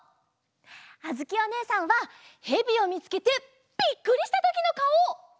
あづきおねえさんはヘビをみつけてびっくりしたときのかお！